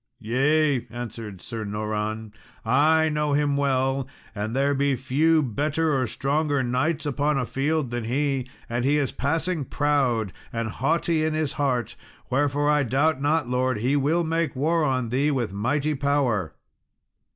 "Yea," answered Sir Noran, "I know him well, and there be few better or stronger knights upon a field than he; and he is passing proud and haughty in his heart; wherefore I doubt not, Lord, he will make war on thee with mighty power."